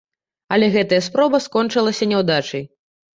Але гэтая спроба скончылася няўдачай.